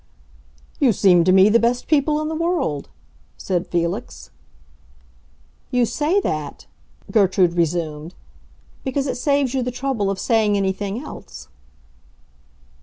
"You seem to me the best people in the world," said Felix. "You say that," Gertrude resumed, "because it saves you the trouble of saying anything else."